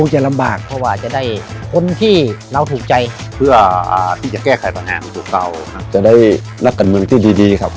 จะได้รักกันมืองที่ดีครับ